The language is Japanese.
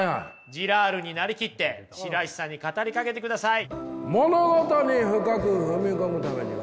ジラールに成りきって白石さんに語りかけてください。